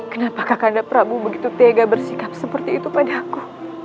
kenapa kakak andaprabu begitu tega bersikap seperti itu pada aku